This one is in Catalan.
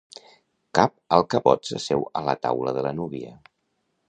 Cap alcavot s'asseu a la taula de la núvia.